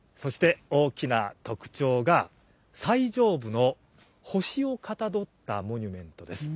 そして大きな特徴が、最上部の星をかたどったモニュメントです。